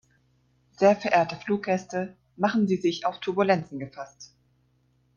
Sehr verehrte Fluggäste, machen Sie sich auf Turbulenzen gefasst.